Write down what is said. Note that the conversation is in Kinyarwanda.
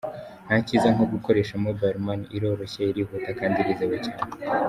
Nta cyiza nko gukoresha Mobile Money, iroroshye, irihuta kandi irizewe cyane.